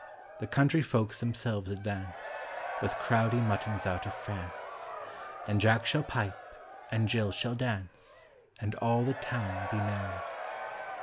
The country folks themselves advance. With crowdy muttons out of France; And Jack shall pipe, and Gill shall dance, And all the town be merry.